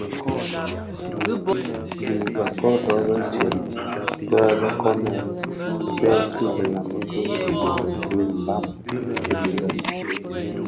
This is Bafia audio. Di bë kodo bëtsem bë bë koomè bèè ki bilama ki bizizig bi Mbam kidhilè,